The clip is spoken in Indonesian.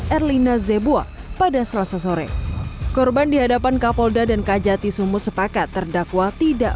erlina zebua pada selasa sore korban di hadapan kapolda dan kajati sumut sepakat terdakwa tidak